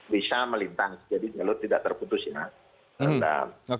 bisa melintang jadi jalur tidak terputus ya pak